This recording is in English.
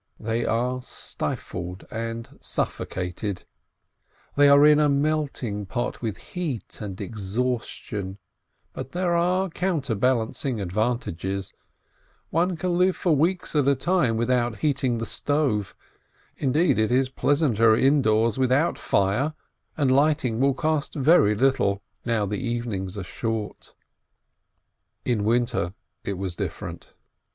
They are stifled and suffocated, they are in a melting pot with heat and exhaustion, but there are counter balancing advantages; one can live for weeks at a time without heating the stove; indeed, it is pleasanter in doors without fire, and lighting will cost very little, now the evenings are short. In winter it was different.